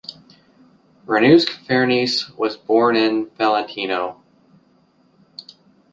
Ranuccio Farnese was born in Valentano.